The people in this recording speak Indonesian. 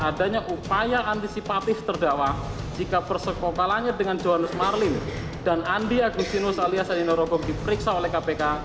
serta adanya upaya antisipatif terdakwa jika persekokalannya dengan johanus marlin dan andi agusinus alias adhino rogo diperiksa oleh kpk